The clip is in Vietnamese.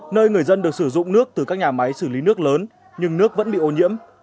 nơi người dân được sử dụng nước từ các nhà máy xử lý nước lớn nhưng nước vẫn bị ô nhiễm